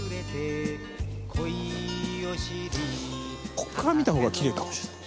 ここから見た方がきれいかもしれない。